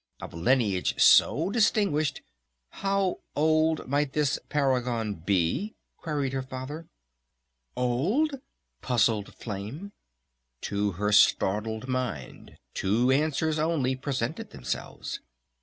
"Of a lineage so distinguished " "How old might this paragon be?" queried her Father. "Old?" puzzled Flame. To her startled mind two answers only presented themselves....